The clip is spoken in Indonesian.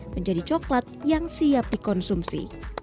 menjadi coklat yang siap dikonsumsi